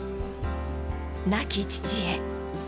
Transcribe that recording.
亡き父へ。